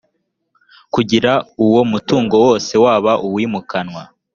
kugira uwayo mutungo wose waba uwimukanwa